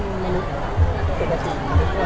มนุษย์ปกติ